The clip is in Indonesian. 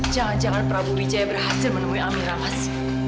jangan jangan prabu wijaya berhasil menemui amira mas